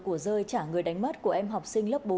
của rơi trả người đánh mất của em học sinh lớp bốn